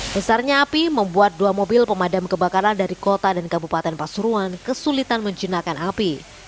besarnya api membuat dua mobil pemadam kebakaran dari kota dan kabupaten pasuruan kesulitan menjinakkan api